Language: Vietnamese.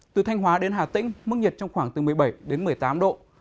từ thanh hóa đến hà tĩnh mức nhiệt trong khoảng từ một mươi bảy đến một mươi tám độ